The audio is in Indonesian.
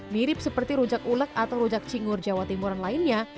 mirip seperti rujak ulek atau rujak cingur jawa timuran lainnya